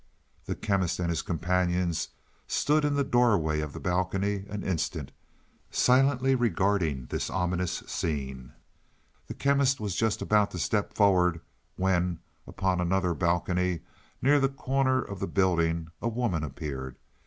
The Chemist and his companions stood in the doorway of the balcony an instant, silently regarding this ominous scene. The Chemist was just about to step forward, when, upon another balcony, nearer the corner of the building a woman appeared.